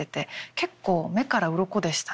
結構目からうろこでしたね。